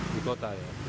di kota ya